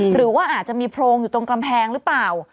หรือว่าอาจจะมีโพรงอยู่ตรงกำแพงหรือเปล่า